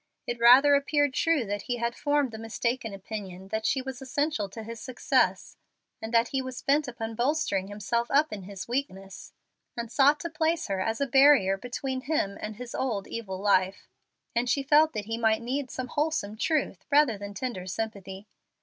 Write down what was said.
It rather appeared true that he had formed the mistaken opinion that she was essential to his success, and that he was bent upon bolstering himself up in his weakness, and sought to place her as a barrier between him and his old evil life; and she felt that he might need some wholesome truth rather than tender sympathy.